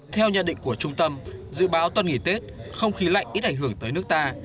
theo nhận định của trung tâm dự báo tuần nghỉ tết không khí lạnh ít ảnh hưởng tới nước ta